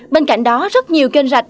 bên cạnh đó rất nhiều kênh rạch